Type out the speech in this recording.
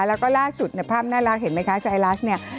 แล้วก็ล่าสุดภาพน่ารักเห็นไหมคะชายลาสเนี่ย